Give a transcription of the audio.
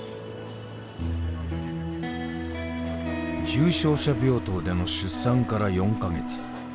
重症者病棟での出産から４か月。